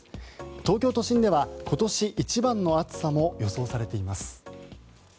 東京都心では今年一番の暑さも予想されています。